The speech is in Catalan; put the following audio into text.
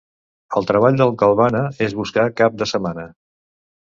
El treball d'en Galvana és buscar cap de setmana.